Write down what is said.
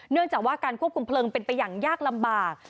เนื่องจากว่าการควบคุมเพลิงเป็นไปอย่างยากลำบาก